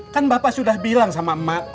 kan bapak sudah bilang sama emak